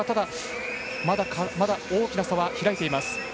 まだ大きな差は開いています。